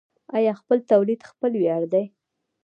آیا خپل تولید خپل ویاړ دی؟